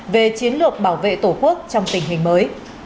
về chiến lược bảo vệ tổ quốc trong tình hình mới